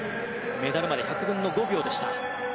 メダルまで１００分の５秒でした。